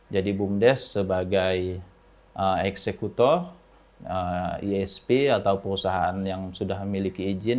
jadi bumdes sebagai eksekutor isp atau perusahaan yang sudah memiliki ijin